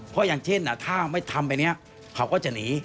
เพราะอย่างเช่นถ้าไม่ทำไปเนี่ยเขาก็จะหนี